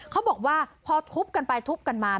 เขาบอกว่าพอทุบกันไปทุบกันมา